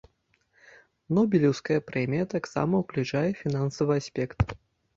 Нобелеўская прэмія таксама ўключае фінансавы аспект.